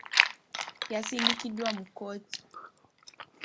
Yasindikiddwa mu kkooti.